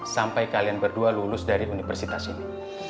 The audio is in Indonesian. sampai kalian berdua lulus dari universitas ini